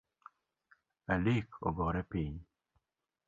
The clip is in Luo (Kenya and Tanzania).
Adek ogore piny